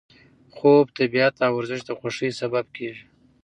خوب، طبیعت او ورزش د خوښۍ سبب کېږي.